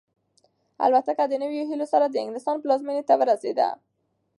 الوتکه د نویو هیلو سره د انګلستان پلازمینې ته ورسېده.